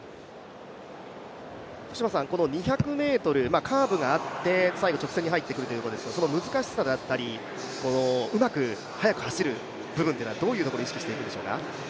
２００ｍ、カーブがあって、最後直線に入ってくるということですが、難しさだったり、うまく速く走る部分というのはどういうところを意識しているでしょうか？